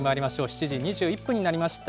７時２１分になりました。